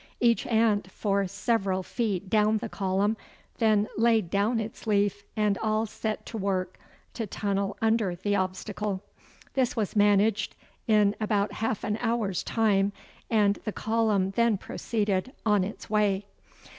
Each ant, for several feet down the column, then laid down its leaf, and all set to work to tunnel under the obstacle. This was managed in about half an hour's time, and the column then proceeded on its way.